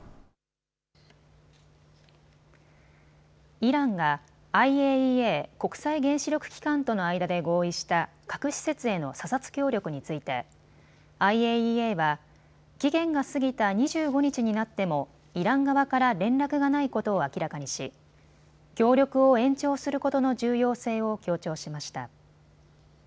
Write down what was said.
イランがＩＡＥＡ・国際原子力機関との間で合意した核施設への査察協力についてＩＡＥＡは期限が過ぎた２５日になってもイラン側から連絡がないことを明らかにし協力を延長することの重要性を強調しました。